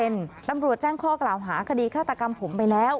ตำรวจแจ้งข้อกล่าวหาคดีฆาตกรรมผมไปแล้ว